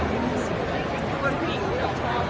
เดี๋ยวนี้มันคุณแหละ